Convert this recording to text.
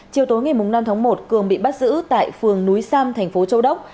chiều tối ngày năm tháng một cường bị bắt giữ tại phường núi sam thành phố châu đốc